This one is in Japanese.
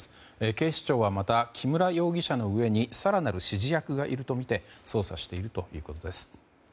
警視庁はまた、木村容疑者の上に更なる指示役がいるとみて捜査しているということです。